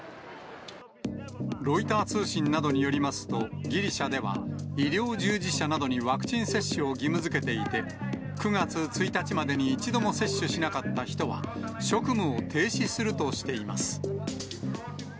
ロイター通信などによりますと、ギリシャでは、医療従事者などにワクチン接種を義務づけていて、９月１日までに一度も接種しなかった人は、職務を停止するとしています。